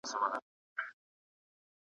د بل په درد دردېدل انسانيت دی.